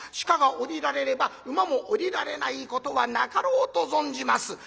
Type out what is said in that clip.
鹿が下りられれば馬も下りられないことはなかろうと存じます」。